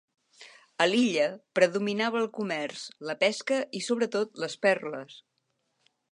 A l'illa predominava el comerç, la pesca i sobretot les perles.